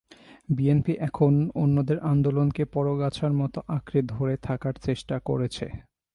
BNP এখন অন্যদের আন্দোলনকে পরগাছার মতো আঁকড়ে ধরে থাকার চেষ্টা করেছে।